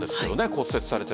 骨折されて。